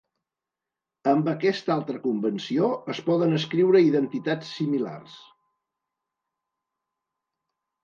Amb aquesta altra convenció es poden escriure identitats similars.